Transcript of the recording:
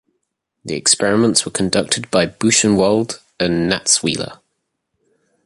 The experiments were conducted at Buchenwald and Natzweiler.